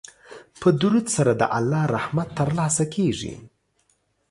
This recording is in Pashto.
په درود سره د الله رحمت ترلاسه کیږي.